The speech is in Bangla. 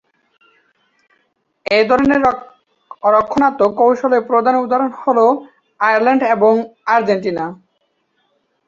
এধরনের রক্ষণাত্মক কৌশলের প্রধান উদাহরণ হল আয়ারল্যান্ড এবং আর্জেন্টিনা।